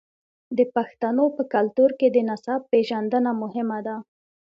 د پښتنو په کلتور کې د نسب پیژندنه مهمه ده.